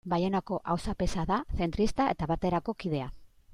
Baionako auzapeza da, zentrista eta Baterako kidea.